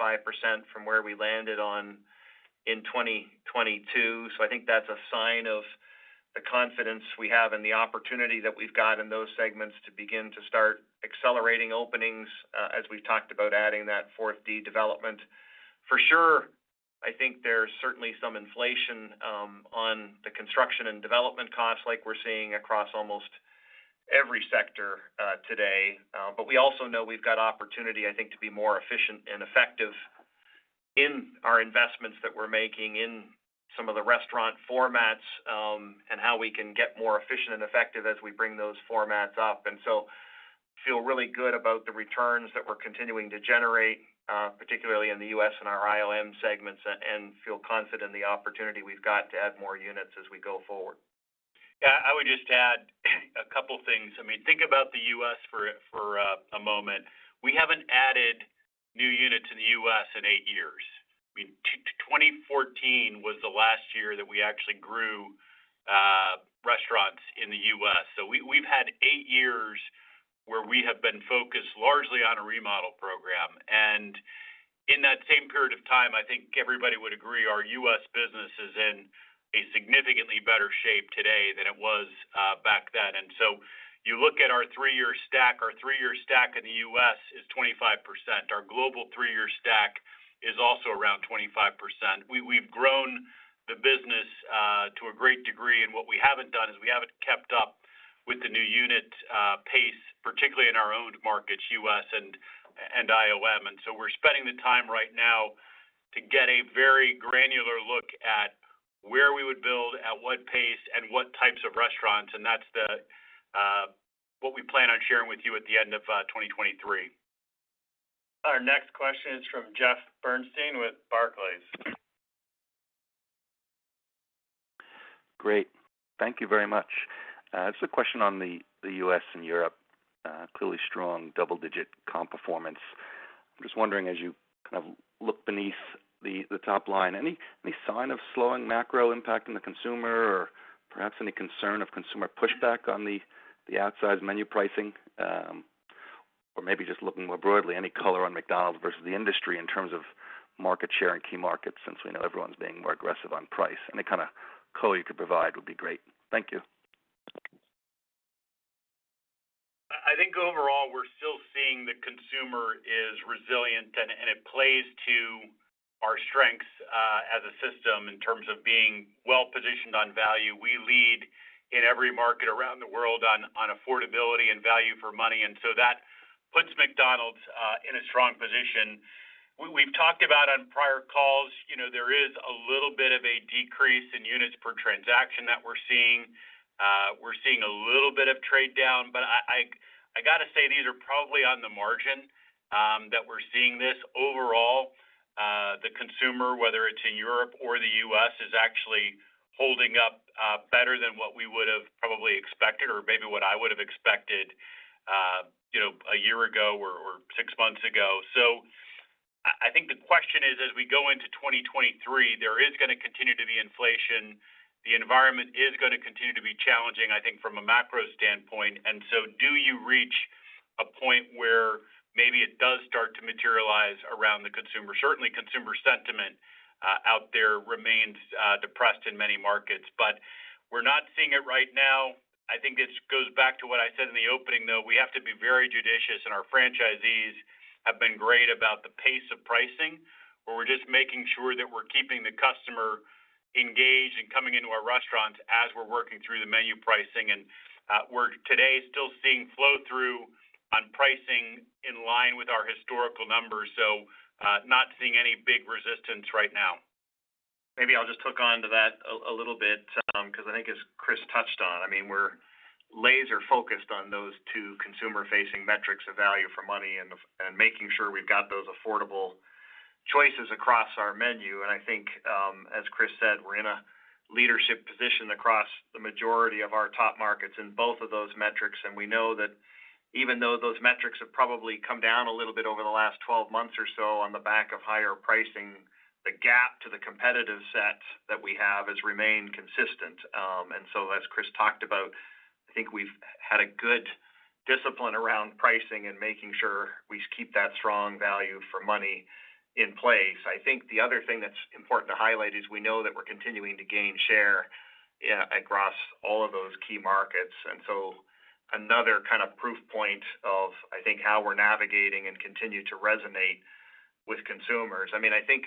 from where we landed on in 2022. I think that's a sign of the confidence we have and the opportunity that we've got in those segments to begin to start accelerating openings, as we've talked about adding that fourth D development. For sure, I think there's certainly some inflation on the construction and development costs like we're seeing across almost every sector today. But we also know we've got opportunity, I think, to be more efficient and effective in our investments that we're making in some of the restaurant formats, and how we can get more efficient and effective as we bring those formats up. Feel really good about the returns that we're continuing to generate, particularly in the U.S. and our IOM segments, and feel confident in the opportunity we've got to add more units as we go forward. I would just add a couple things. I mean, think about the U.S. for a moment. We haven't added new units in the U.S. in 8 years. I mean, 2014 was the last year that we actually grew restaurants in the U.S. We've had 8 years where we have been focused largely on a remodel program. In that same period of time, I think everybody would agree our U.S. business is in a significantly better shape today than it was back then. You look at our three-year stack, our three-year stack in the U.S. is 25%. Our global three-year stack is also around 25%. We've grown the business to a great degree, and what we haven't done is we haven't kept up with the new unit pace, particularly in our own markets, U.S. and IOM. We're spending the time right now to get a very granular look at where we would build, at what pace, and what types of restaurants. That's what we plan on sharing with you at the end of 2023. Our next question is from Jeff Bernstein with Barclays. Great. Thank you very much. This is a question on the U.S. and Europe. Clearly strong double-digit comp performance. I'm just wondering, as you kind of look beneath the top line, any sign of slowing macro impact in the consumer or perhaps any concern of consumer pushback on the outsize menu pricing? Or maybe just looking more broadly, any color on McDonald's versus the industry in terms of market share and key markets, since we know everyone's being more aggressive on price. Any kind of color you could provide would be great. Thank you. I think overall we're still seeing the consumer is resilient and it plays to our strength as a system in terms of being well-positioned on value, we lead in every market around the world on affordability and value for money. That puts McDonald's in a strong position. We've talked about on prior calls, you know, there is a little bit of a decrease in units per transaction that we're seeing. We're seeing a little bit of trade down, but I gotta say these are probably on the margin that we're seeing this. Overall, the consumer, whether it's in Europe or the U.S., is actually holding up better than what we would have probably expected or maybe what I would have expected, you know, a year ago or six months ago. I think the question is, as we go into 2023, there is gonna continue to be inflation. The environment is gonna continue to be challenging, I think, from a macro standpoint. Do you reach a point where maybe it does start to materialize around the consumer? Certainly, consumer sentiment out there remains depressed in many markets. We're not seeing it right now. I think it goes back to what I said in the opening, though. We have to be very judicious, and our franchisees have been great about the pace of pricing, where we're just making sure that we're keeping the customer engaged and coming into our restaurants as we're working through the menu pricing. We're today still seeing flow-through on pricing in line with our historical numbers. Not seeing any big resistance right now. Maybe I'll just hook onto that little bit, 'cause I think as Chris touched on, I mean, we're laser-focused on those two consumer-facing metrics of value for money and making sure we've got those affordable choices across our menu. I think, as Chris said, we're in a leadership position across the majority of our top markets in both of those metrics. We know that even though those metrics have probably come down a little bit over the last 12 months or so on the back of higher pricing, the gap to the competitive set that we have has remained consistent. As Chris talked about, I think we've had a good discipline around pricing and making sure we keep that strong value for money in place. I think the other thing that's important to highlight is we know that we're continuing to gain share across all of those key markets, another kind of proof point of, I think, how we're navigating and continue to resonate with consumers. I mean, I think,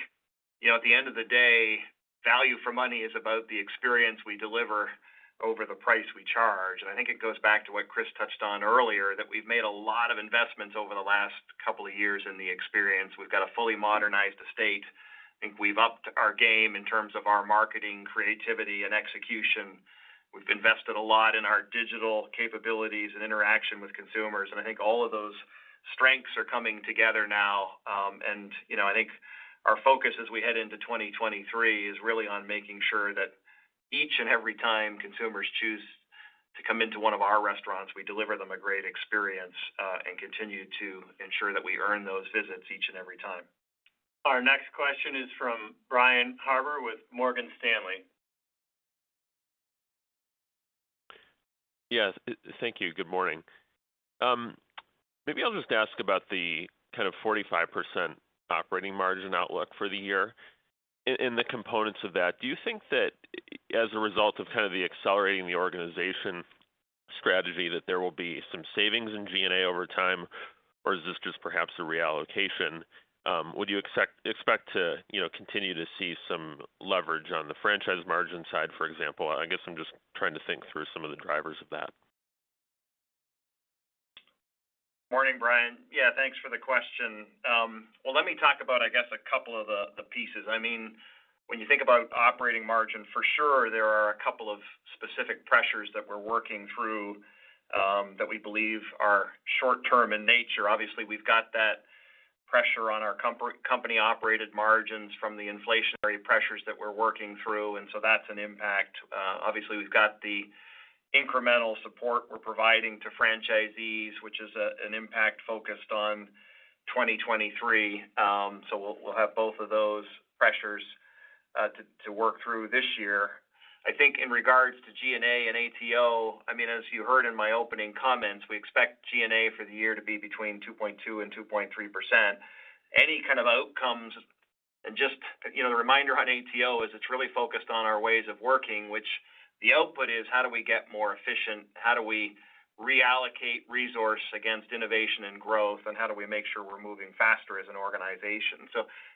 you know, at the end of the day, value for money is about the experience we deliver over the price we charge. I think it goes back to what Chris touched on earlier, that we've made a lot of investments over the last couple of years in the experience. We've got a fully modernized estate. I think we've upped our game in terms of our marketing, creativity, and execution. We've invested a lot in our digital capabilities and interaction with consumers, and I think all of those strengths are coming together now. You know, I think our focus as we head into 2023 is really on making sure that each and every time consumers choose to come into one of our restaurants, we deliver them a great experience, and continue to ensure that we earn those visits each and every time. Our next question is from Brian Harbour with Morgan Stanley. Yes. Thank you. Good morning. maybe I'll just ask about the kind of 45% operating margin outlook for the year and the components of that. Do you think that as a result of kind of the Accelerating the Organization strategy, that there will be some savings in G&A over time, or is this just perhaps a reallocation? Would you expect to, you know, continue to see some leverage on the franchise margin side, for example? I guess I'm just trying to think through some of the drivers of that. Morning, Brian. Yeah, thanks for the question. Well, let me talk about, I guess, a couple of the pieces. I mean, when you think about operating margin, for sure, there are a couple of specific pressures that we're working through, that we believe are short term in nature. Obviously, we've got that pressure on our company-operated margins from the inflationary pressures that we're working through, and so that's an impact. Obviously, we've got the incremental support we're providing to franchisees, which is an impact focused on 2023. We'll have both of those pressures to work through this year. I mean, as you heard in my opening comments, we expect G&A for the year to be between 2.2% and 2.3%. Any kind of outcomes... Just, you know, the reminder on ATO is it's really focused on our ways of working, which the output is how do we get more efficient, how do we reallocate resource against innovation and growth, and how do we make sure we're moving faster as an organization.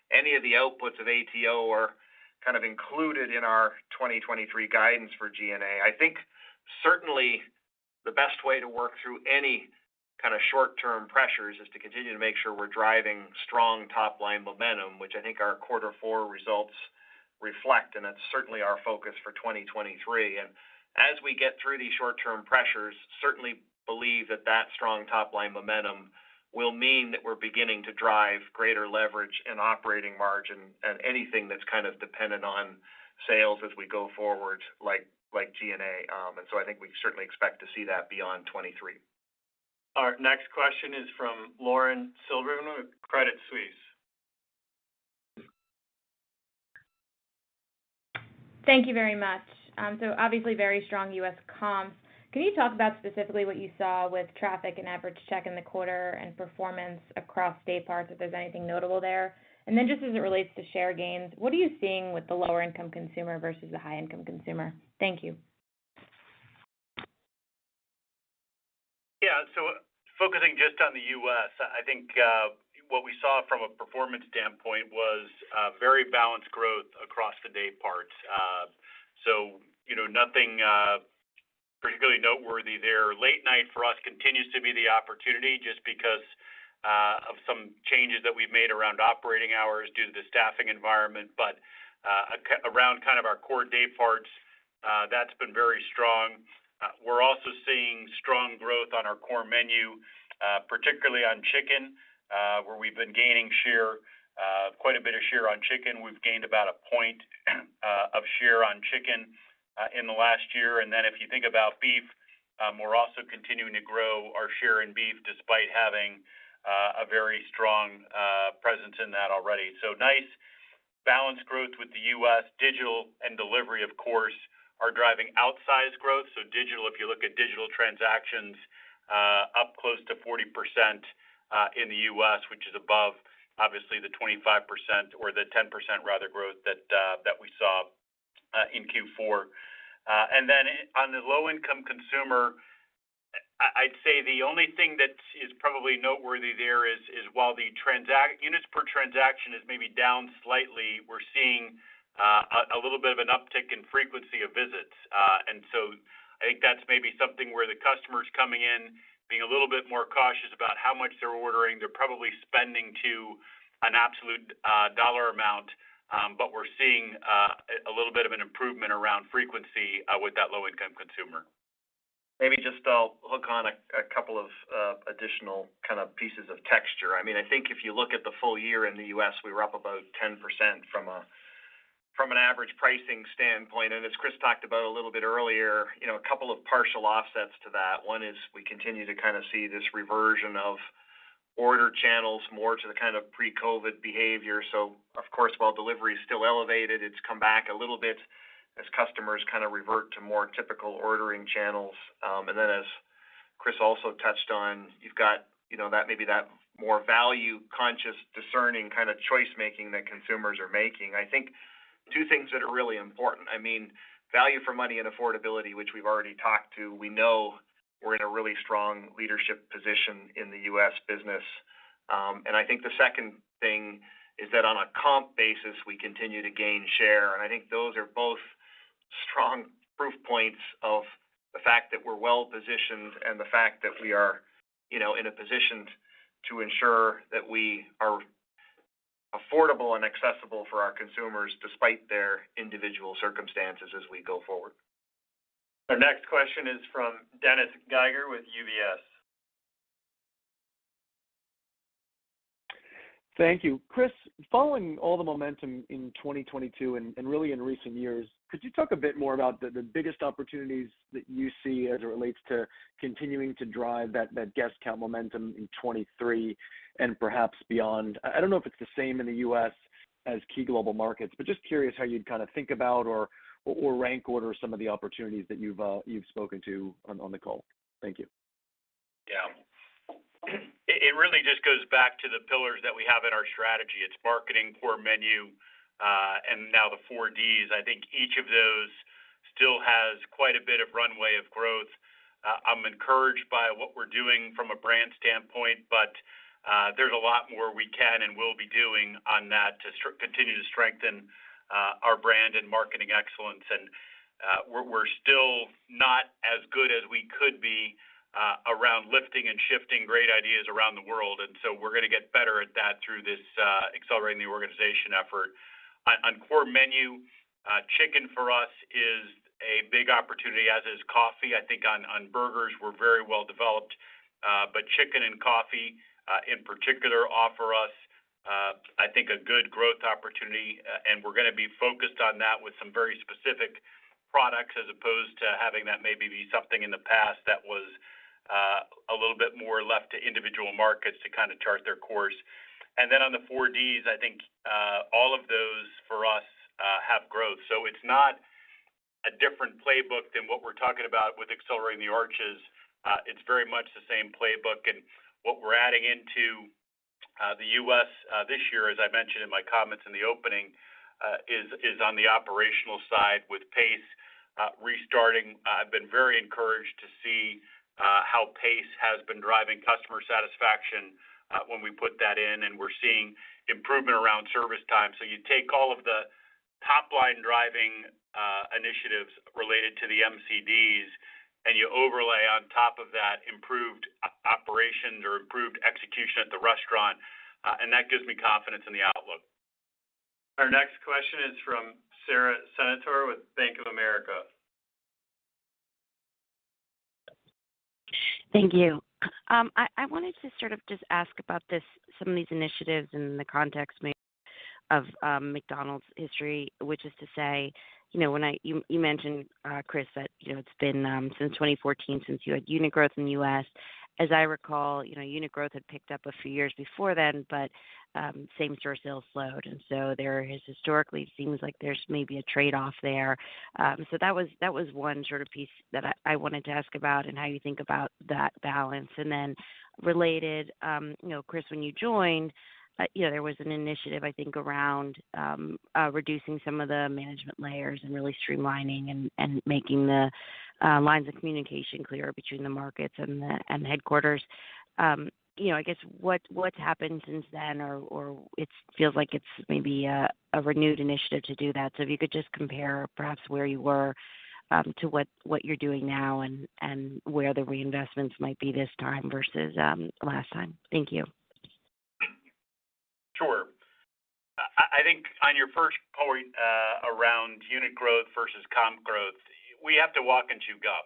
Any of the outputs of ATO are kind of included in our 2023 guidance for G&A. I think certainly the best way to work through any kind of short-term pressures is to continue to make sure we're driving strong top-line momentum, which I think our quarter four results reflect, and that's certainly our focus for 2023. As we get through these short-term pressures, certainly believe that that strong top-line momentum will mean that we're beginning to drive greater leverage and operating margin and anything that's kind of dependent on sales as we go forward, like G&A. I think we certainly expect to see that beyond 23. Our next question is from Lauren Silberman with Credit Suisse. Thank you very much. Obviously very strong U.S. comps. Can you talk about specifically what you saw with traffic and average check in the quarter and performance across day parts, if there's anything notable there? Just as it relates to share gains, what are you seeing with the lower income consumer versus the high income consumer? Thank you. I think just on the U.S., I think, what we saw from a performance standpoint was very balanced growth across the dayparts. You know, nothing particularly noteworthy there. Late night for us continues to be the opportunity just because of some changes that we've made around operating hours due to the staffing environment. Around kind of our core dayparts, that's been very strong. We're also seeing strong growth on our core menu, particularly on chicken, where we've been gaining share, quite a bit of share on chicken. We've gained about a point of share on chicken in the last year. If you think about beef, we're also continuing to grow our share in beef despite having a very strong presence in that already. Nice balanced growth with the US. Digital and delivery, of course, are driving outsized growth. Digital, if you look at digital transactions, up close to 40% in the US, which is above obviously the 25% or the 10% rather growth that we saw in Q4. On the low-income consumer, I'd say the only thing that is probably noteworthy there is while the units per transaction is maybe down slightly, we're seeing a little bit of an uptick in frequency of visits. I think that's maybe something where the customer is coming in, being a little bit more cautious about how much they're ordering. They're probably spending to an absolute dollar amount, but we're seeing a little bit of an improvement around frequency with that low-income consumer. Maybe just I'll hook on a couple of additional kind of pieces of texture. I mean, I think if you look at the full year in the US, we were up about 10% from an average pricing standpoint. As Chris talked about a little bit earlier, you know, a couple of partial offsets to that. One is we continue to kind of see this reversion of order channels more to the kind of pre-COVID behavior. Of course, while delivery is still elevated, it's come back a little bit as customers kind of revert to more typical ordering channels. As Chris also touched on, you've got, you know, that maybe that more value conscious, discerning kind of choice-making that consumers are making. I think two things that are really important. I mean, value for money and affordability, which we've already talked to. We know we're in a really strong leadership position in the U.S. business. I think the second thing is that on a comp basis, we continue to gain share. I think those are both strong proof points of the fact that we're well-positioned and the fact that we are, you know, in a position to ensure that we are affordable and accessible for our consumers despite their individual circumstances as we go forward. Our next question is from Dennis Geiger with UBS. Thank you. Chris, following all the momentum in 2022 and really in recent years, could you talk a bit more about the biggest opportunities that you see as it relates to continuing to drive that guest count momentum in 2023 and perhaps beyond? I don't know if it's the same in the U.S. as key global markets, but just curious how you'd kind of think about or rank order some of the opportunities that you've spoken to on the call. Thank you. It, it really just goes back to the pillars that we have in our strategy. It's marketing, core menu, and now the 4Ds. I think each of those still has quite a bit of runway of growth. I'm encouraged by what we're doing from a brand standpoint, but there's a lot more we can and will be doing on that to continue to strengthen our brand and marketing excellence. We're, we're still not as good as we could be around lifting and shifting great ideas around the world. So we're gonna get better at that through this Accelerating the Organization effort. On core menu, chicken for us is a big opportunity, as is coffee. I think on burgers, we're very well developed. Chicken and coffee, in particular offer us, I think a good growth opportunity, and we're gonna be focused on that with some very specific products as opposed to having that maybe be something in the past that was, a little bit more left to individual markets to kind of chart their course. On the 4 Ds, I think, all of those for us, have growth. It's not a different playbook than what we're talking about with Accelerating the Arches. It's very much the same playbook. What we're adding into, the U.S., this year, as I mentioned in my comments in the opening, is on the operational side with PACE, restarting. I've been very encouraged to see, how PACE has been driving customer satisfaction, when we put that in, and we're seeing improvement around service time. You take all of the top-line driving, initiatives related to the MCD, and you overlay on top of that improved operations or improved execution at the restaurant, and that gives me confidence in the outlook. Our next question is from Sara Senatore with Bank of America. Thank you. I wanted to sort of just ask about this, some of these initiatives in the context of McDonald's history, which is to say, you know, you mentioned, Chris, that, you know, it's been since 2014 since you had unit growth in the U.S. As I recall, you know, unit growth had picked up a few years before then, but same store sales slowed. There has historically seems like there's maybe a trade-off there. That was one sort of piece that I wanted to ask about and how you think about that balance. Related, you know, Chris, when you joined, you know, there was an initiative, I think, around reducing some of the management layers and really streamlining and making the lines of communication clear between the markets and the headquarters. You know, I guess what's happened since then or it feels like it's maybe a renewed initiative to do that. If you could just compare perhaps where you were to what you're doing now and where the reinvestments might be this time versus last time. Thank you. Sure. I think on your first point, around unit growth versus comp growth, we have to walk and chew gum.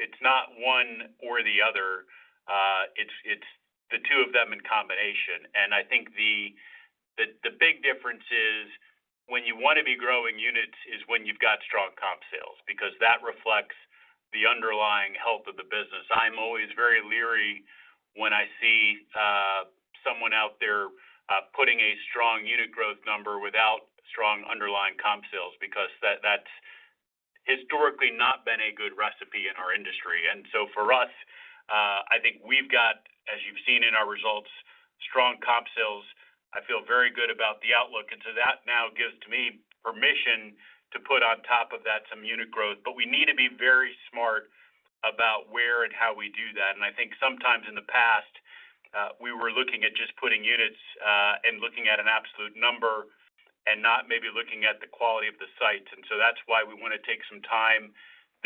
It's not one or the other. It's the two of them in combination. I think the big difference is when you want to be growing units is when you've got strong comp sales, because that reflects the underlying health of the business. I'm always very leery when I see someone out there putting a strong unit growth number without strong underlying comp sales because that's historically not been a good recipe in our industry. For us, I think we've got, as you've seen in our results, strong comp sales. I feel very good about the outlook. That now gives to me permission to put on top of that some unit growth. We need to be very smart about where and how we do that. I think sometimes in the past, we were looking at just putting units, and looking at an absolute number and not maybe looking at the quality of the sites. That's why we wanna take some time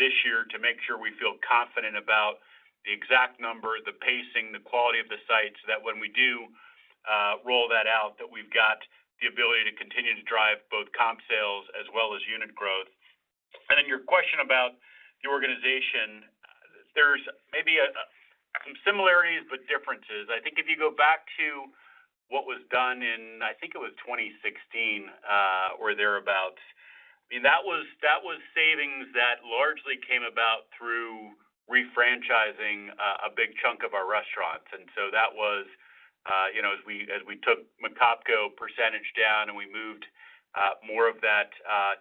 this year to make sure we feel confident about the exact number, the pacing, the quality of the sites, that when we do, roll that out, that we've got the ability to continue to drive both comp sales as well as unit growth. Then your question about the organization, there's maybe, some similarities, but differences. I think if you go back to what was done in, I think it was 2016, or thereabout, I mean, that was savings that largely came about through refranchising a big chunk of our restaurants. That was, you know, as we took McOpCo percentage down and we moved more of that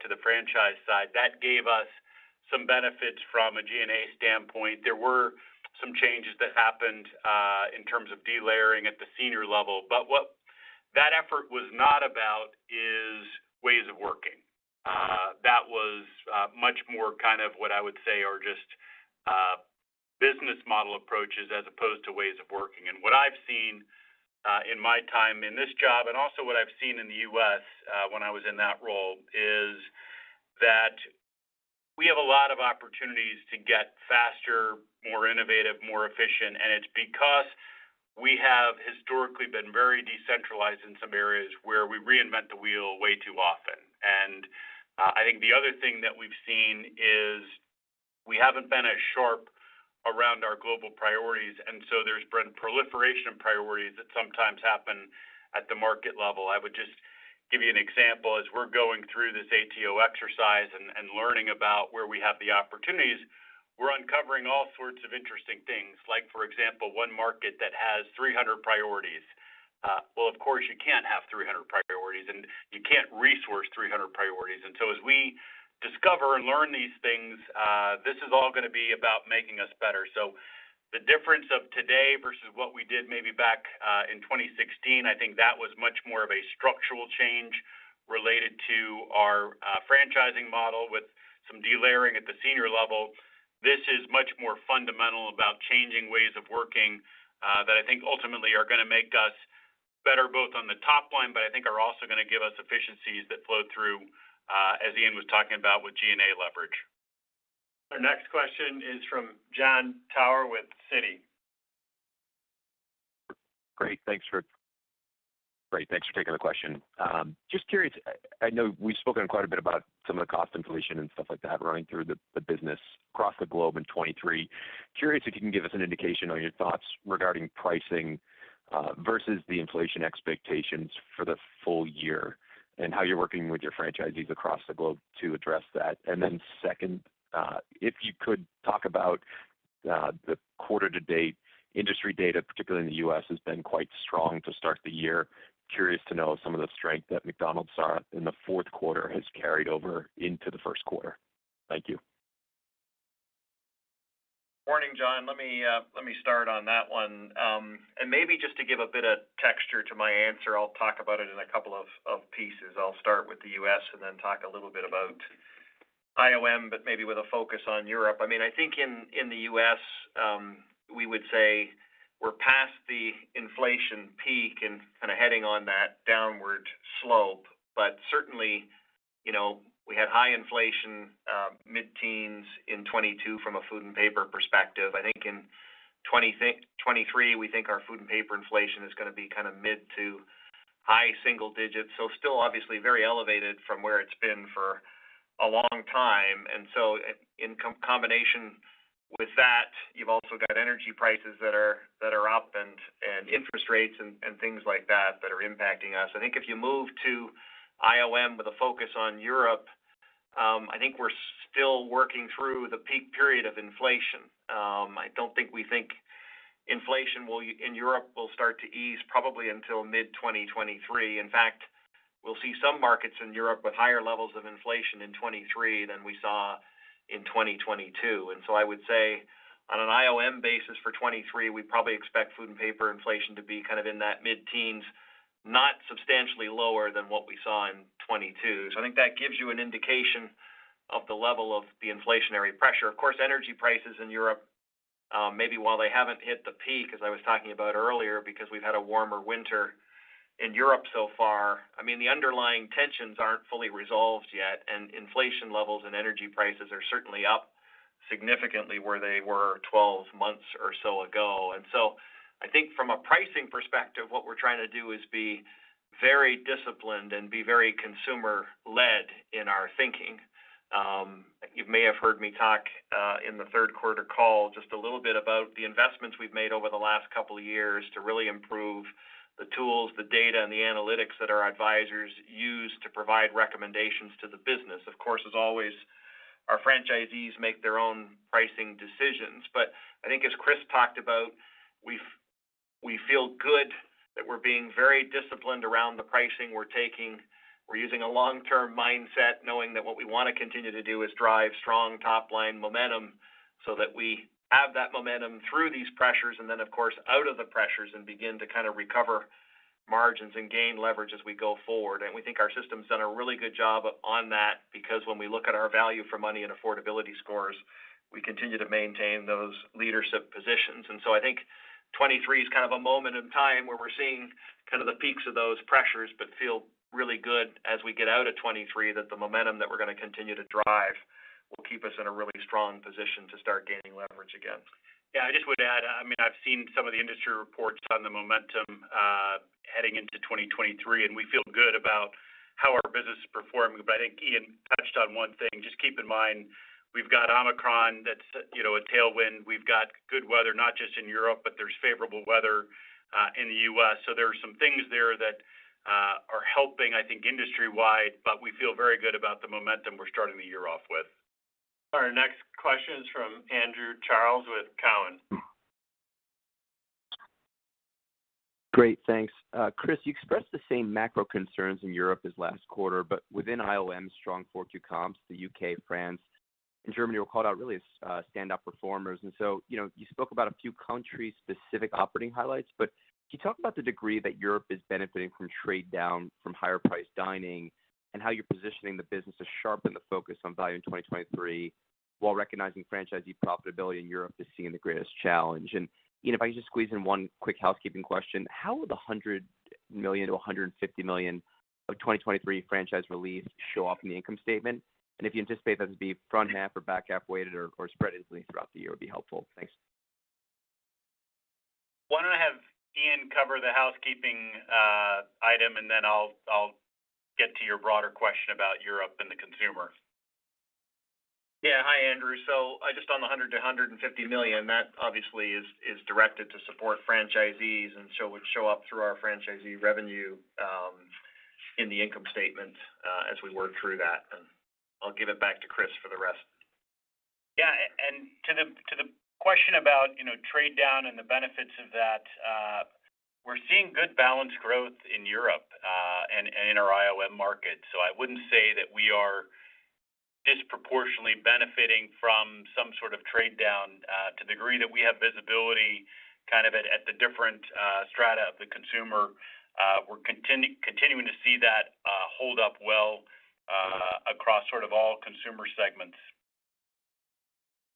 to the franchise side, that gave us some benefits from a G&A standpoint. There were some changes that happened in terms of delayering at the senior level. What that effort was not about is ways of working. That was much more kind of what I would say are just business model approaches as opposed to ways of working. What I've seen in my time in this job and also what I've seen in the US, when I was in that role, is that we have a lot of opportunities to get faster, more innovative, more efficient. It's because we have historically been very decentralized in some areas where we reinvent the wheel way too often. I think the other thing that we've seen is we haven't been as sharp around our global priorities, there's been proliferation of priorities that sometimes happen at the market level. I would just give you an example. As we're going through this ATO exercise and learning about where we have the opportunities, we're uncovering all sorts of interesting things. Like for example, one market that has 300 priorities. Well, of course, you can't have 300 priorities, and you can't resource 300 priorities. As we discover and learn these things, this is all gonna be about making us better. The difference of today versus what we did maybe back in 2016, I think that was much more of a structural change related to our franchising model with some delayering at the senior level. This is much more fundamental about changing ways of working that I think ultimately are gonna make us better both on the top line, but I think are also gonna give us efficiencies that flow through as Ian was talking about with G&A leverage. Our next question is from Jon Tower with Citi. Great. Thanks for taking the question. just curious, I know we've spoken quite a bit about some of the cost inflation and stuff like that running through the business across the globe in 2023. Curious if you can give us an indication on your thoughts regarding pricing versus the inflation expectations for the full year and how you're working with your franchisees across the globe to address that. second, if you could talk about the quarter-to-date industry data, particularly in the U.S., has been quite strong to start the year. Curious to know some of the strength that McDonald's saw in the fourth quarter has carried over into the first quarter. Thank you. Morning, John. Let me start on that one. Maybe just to give a bit of texture to my answer, I'll talk about it in a couple of pieces. I'll start with the U.S. and then talk a little bit about IOM, but maybe with a focus on Europe. I mean, I think in the U.S., we would say we're past the inflation peak and kinda heading on that downward slope. Certainly, you know, we had high inflation, mid-teens in 2022 from a food and paper perspective. I think in 2023, we think our food and paper inflation is gonna be kinda mid to high single digits. Still obviously very elevated from where it's been for a long time. In combination with that, you've also got energy prices that are up and interest rates and things like that that are impacting us. I think if you move to IOM with a focus on Europe, I think we're still working through the peak period of inflation. I don't think we think inflation in Europe will start to ease probably until mid-2023. In fact, we'll see some markets in Europe with higher levels of inflation in 2023 than we saw in 2022. I would say on an IOM basis for 2023, we probably expect food and paper inflation to be kind of in that mid-teens Not substantially lower than what we saw in 2022. I think that gives you an indication of the level of the inflationary pressure. Energy prices in Europe, maybe while they haven't hit the peak, as I was talking about earlier, because we've had a warmer winter in Europe so far, I mean, the underlying tensions aren't fully resolved yet, and inflation levels and energy prices are certainly up significantly where they were 12 months or so ago. I think from a pricing perspective, what we're trying to do is be very disciplined and be very consumer-led in our thinking. You may have heard me talk in the third quarter call just a little bit about the investments we've made over the last couple of years to really improve the tools, the data, and the analytics that our advisors use to provide recommendations to the business. Of course, as always, our franchisees make their own pricing decisions. I think as Chris talked about, we feel good that we're being very disciplined around the pricing we're taking. We're using a long-term mindset, knowing that what we wanna continue to do is drive strong top-line momentum so that we have that momentum through these pressures and then, of course, out of the pressures and begin to kind of recover margins and gain leverage as we go forward. We think our system's done a really good job on that because when we look at our value for money and affordability scores, we continue to maintain those leadership positions. I think 23 is kind of a moment in time where we're seeing kind of the peaks of those pressures, but feel really good as we get out of 23 that the momentum that we're gonna continue to drive will keep us in a really strong position to start gaining leverage again. Yeah. I just would add, I mean, I've seen some of the industry reports on the momentum heading into 2023, and we feel good about how our business is performing. I think Ian touched on one thing. Just keep in mind, we've got Omicron that's, you know, a tailwind. We've got good weather, not just in Europe, but there's favorable weather, in the U.S. There are some things there that, are helping, I think, industry-wide, but we feel very good about the momentum we're starting the year off with. Our next question is from Andrew Charles with Cowen. Great. Thanks. Chris, you expressed the same macro concerns in Europe as last quarter, within IOM, strong 4Q comps, the U.K., France, and Germany were called out really as standup performers. You know, you spoke about a few country-specific operating highlights, can you talk about the degree that Europe is benefiting from trade down from higher priced dining and how you're positioning the business to sharpen the focus on value in 2023, while recognizing franchisee profitability in Europe is seeing the greatest challenge? Ian, if I could just squeeze in one quick housekeeping question, how will the $100 million-$150 million of 2023 franchise release show up in the income statement? If you anticipate that to be front half or back half weighted or spread evenly throughout the year, it would be helpful. Thanks. Why don't I have Ian cover the housekeeping item, and then I'll get to your broader question about Europe and the consumer. Yeah. Hi, Andrew. Just on the $100 million-$150 million, that obviously is directed to support franchisees, and so would show up through our franchisee revenue in the income statement as we work through that. I'll give it back to Chris for the rest. Yeah. To the question about, you know, trade down and the benefits of that, we're seeing good balanced growth in Europe and in our IOM market. I wouldn't say that we are disproportionately benefiting from some sort of trade down to the degree that we have visibility kind of at the different strata of the consumer. We're continuing to see that, hold up well, across sort of all consumer segments.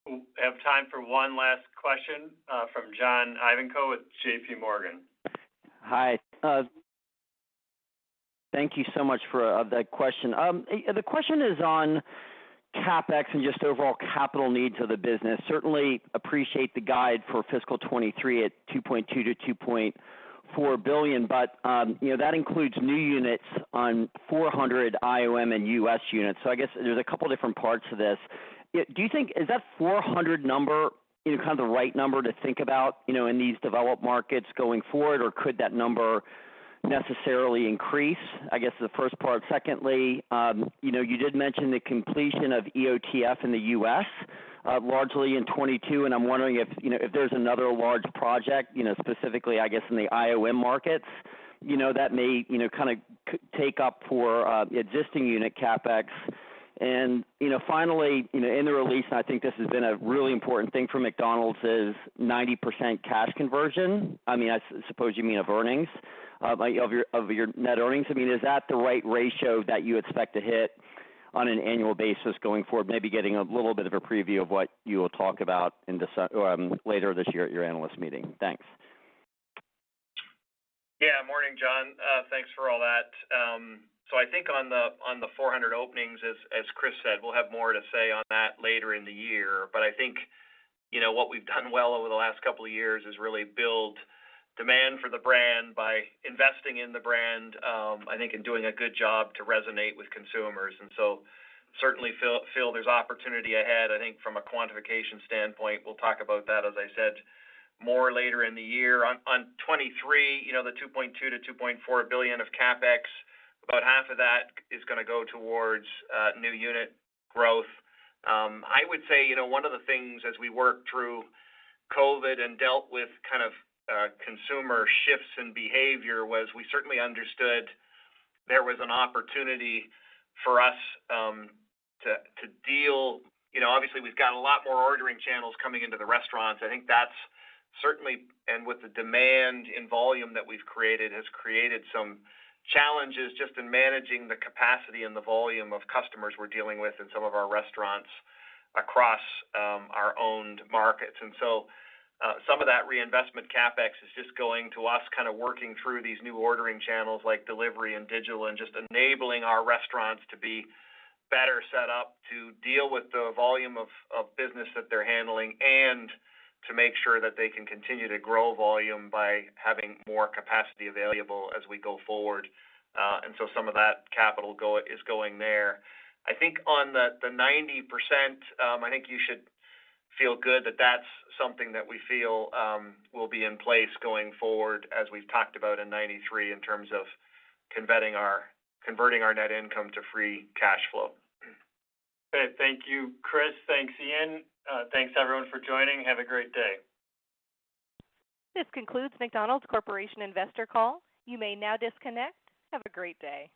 We have time for one last question, from John Ivankoe with J.P. Morgan. Hi. Thank you so much for that question. The question is on CapEx and just overall capital needs of the business. Certainly appreciate the guide for fiscal 2023 at $2.2 billion-$2.4 billion, you know, that includes new units on 400 IOM and U.S. units. I guess there's a couple different parts to this. Is that 400 number, you know, kind of the right number to think about, you know, in these developed markets going forward, or could that number necessarily increase? I guess is the first part. Secondly, you know, you did mention the completion of EOTF in the U.S., largely in 22, and I'm wondering if, you know, if there's another large project, you know, specifically, I guess, in the IOM markets, you know, that may, you know, kinda take up for existing unit CapEx. You know, finally, you know, in the release, and I think this has been a really important thing for McDonald's, is 90% cash conversion. I mean, I suppose you mean of earnings, of your, of your net earnings. I mean, is that the right ratio that you expect to hit on an annual basis going forward? Maybe getting a little bit of a preview of what you will talk about in Decem- later this year at your analyst meeting. Thanks. Morning, John. Thanks for all that. I think on the 400 openings, as Chris said, we'll have more to say on that later in the year. I think, you know, what we've done well over the last couple of years is really build demand for the brand by investing in the brand, I think, and doing a good job to resonate with consumers. Certainly feel there's opportunity ahead. I think from a quantification standpoint, we'll talk about that, as I said, more later in the year. 23, you know, the $2.2 billion-$2.4 billion of CapEx, about half of that is gonna go towards new unit growth. I would say, you know, one of the things as we worked through COVID and dealt with kind of consumer shifts in behavior was we certainly understood there was an opportunity for us. You know, obviously, we've got a lot more ordering channels coming into the restaurants. I think that's certainly and with the demand in volume that we've created, has created some challenges just in managing the capacity and the volume of customers we're dealing with in some of our restaurants across our owned markets. Some of that reinvestment CapEx is just going to us kind of working through these new ordering channels like delivery and digital and just enabling our restaurants to be better set up to deal with the volume of business that they're handling and to make sure that they can continue to grow volume by having more capacity available as we go forward. Some of that capital is going there. I think on the 90%, I think you should feel good that that's something that we feel will be in place going forward as we've talked about in 93 in terms of converting our net income to free cash flow. Okay. Thank you, Chris. Thanks, Ian. Thanks everyone for joining. Have a great day. This concludes McDonald's Corporation investor call. You may now disconnect. Have a great day.